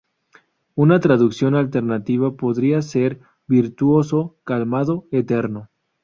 Una traducción alternativa podría ser: ‘virtuoso, calmado, eterno’.